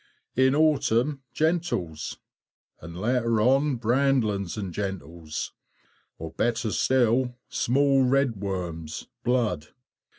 In autumn, gentles, and later on brandlings and gentles, or better still, small red worms, "blood."